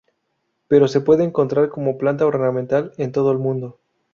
Pero se puede encontrar como planta ornamental en todo el mundo.